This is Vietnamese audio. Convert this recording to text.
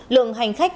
lượng hành khách